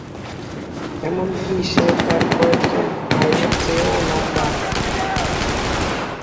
এমনকি সে তার কয়েকজন ভাইয়ের চেয়েও লম্বা।